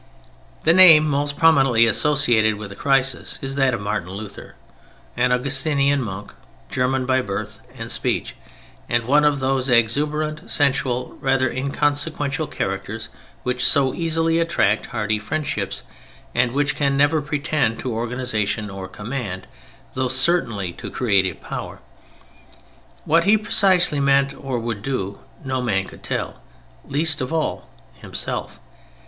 The name most prominently associated with the crisis is that of Martin Luther, an Augustinian monk, German by birth and speech, and one of those exuberant sensual, rather inconsequential, characters which so easily attract hearty friendships, and which can never pretend to organization or command, though certainly to creative power. What he precisely meant or would do, no man could tell, least of all himself.